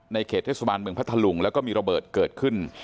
เขตเทศบาลเมืองพัทธลุงแล้วก็มีระเบิดเกิดขึ้น